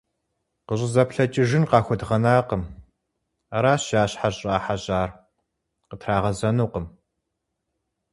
КъыщӀызэплъэкӀыжын къахуэдгъэнакъым, аращ я щхьэр щӀрахьэжьар – къытрагъэзэнукъым.